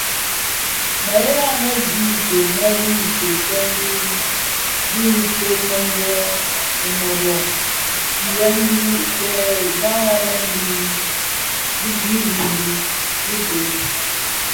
Meghela mě zi idyom meri teesèn dhikpegmen yè menőbökin kè ghaghalen birimbi bhëñ,